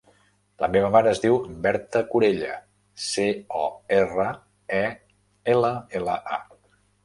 La meva mare es diu Berta Corella: ce, o, erra, e, ela, ela, a.